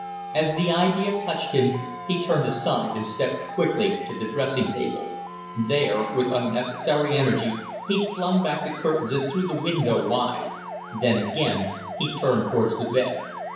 As the idea touched him he turned aside and stepped quickly to the dressing table; there, with unnecessary energy, he flung back the curtains and threw the window wide; then again he turned towards the bed.